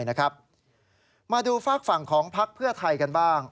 มาดูฝากฝั่งของพักเพื่อไทยกันบ้าง